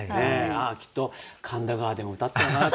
ああきっと「神田川」でも歌ったのかなとかね。